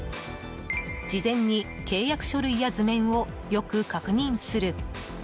事前に契約書類や図面をよく確認する。